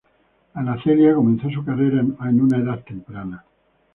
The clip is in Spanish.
Ana Celia comenzó su carrera en una edad temprana.